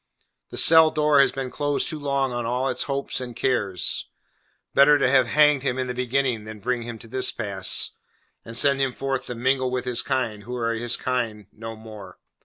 The cell door has been closed too long on all its hopes and cares. Better to have hanged him in the beginning than bring him to this pass, and send him forth to mingle with his kind, who are his kind no more.